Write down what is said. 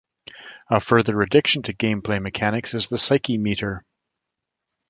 A further addition to gameplay mechanics is the Psyche Meter.